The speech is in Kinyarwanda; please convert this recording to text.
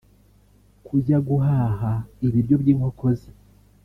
kujya guhaha ibiryo by’inkoko ze